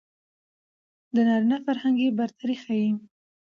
د نارينه فرهنګي برتري ښيي.